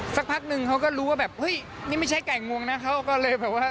สักพักหนึ่งเขาก็รู้นะนี่ไม่ใช่ไก่งวงเลยปล่อยออกเบา